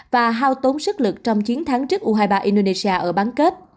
và hao tốn sức lực trong chiến thắng trước u hai mươi ba indonesia ở bán kết